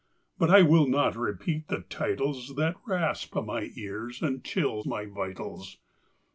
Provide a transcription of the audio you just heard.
But I will not repeat the titles That rasp my ears and chill my vitals.